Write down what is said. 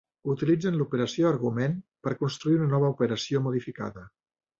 Utilitzen l'operació argument per construir una nova operació modificada.